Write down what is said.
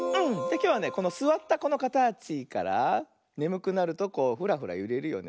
きょうはねこのすわったこのかたちからねむくなるとこうフラフラゆれるよね。